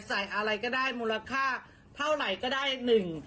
อะไรก็ได้มูลค่าเท่าไหร่ก็ได้หนึ่ง